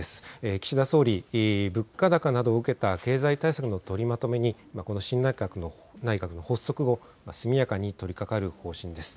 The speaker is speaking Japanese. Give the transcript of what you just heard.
岸田総理、物価高などを受けた経済対策の取りまとめにこの新内閣の発足後、速やかに取りかかる方針です。